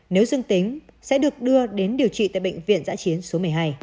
nếu dương tính sẽ được đưa đến điều trị tại bệnh viện giã chiến số một mươi hai